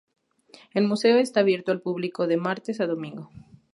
El museo está abierto al público de martes a domingo.